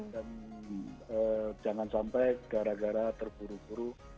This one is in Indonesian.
dan jangan sampai gara gara terburu buru